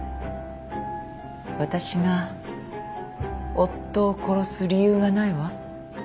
私が夫を殺す理由がないわ。